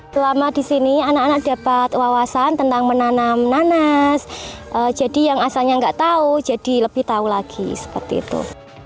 selama di sini anak anak dapat wawasan tentang menanam nanas jadi yang asalnya nggak tahu jadi lebih tahu lagi seperti itu